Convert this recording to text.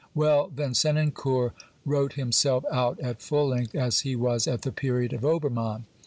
Well, then, Senancour wrote himself out at full length, as he was at the period of Obertnann.